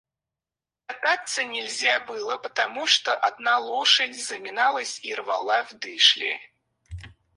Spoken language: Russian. Кататься нельзя было, потому что одна лошадь заминалась и рвала в дышле.